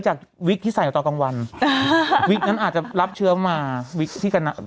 จากวิกที่ใส่อยู่ตอนกลางวันวิกนั้นอาจจะรับเชื้อมาวิกที่กันอ่ะ